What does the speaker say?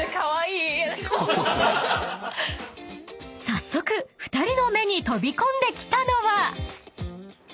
［早速２人の目に飛び込んできたのは］